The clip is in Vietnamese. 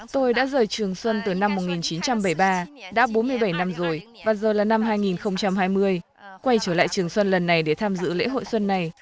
tôi đã rời trường xuân từ năm một nghìn chín trăm bảy mươi ba đã bốn mươi bảy năm rồi và giờ là năm hai nghìn hai mươi quay trở lại trường xuân lần này để tham dự lễ hội xuân này